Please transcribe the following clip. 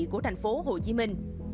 của thành phố hồ chí minh